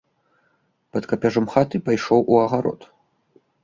Пад капяжом хаты пайшоў у агарод.